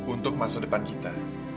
untuk masa depan kita